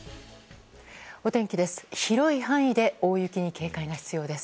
お天気です。